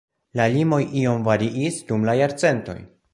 La limoj iom variis dum la jarcentoj.